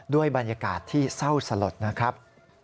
บรรยากาศที่เศร้าสลดนะครับ